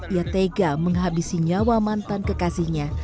ia tega menghabisi nyawa mantan kekasihnya